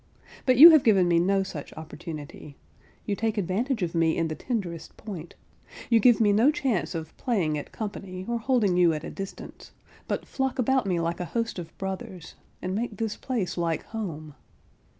But you have given me no such opportunity; you take advantage of me in the tenderest point; you give me no chance of playing at company, or holding you at a distance, but flock about me like a host of brothers, and make this place like home.